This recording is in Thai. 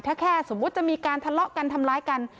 ถ้าแค่สมมุติจะมีการทะเลาะกันทำร้ายกัน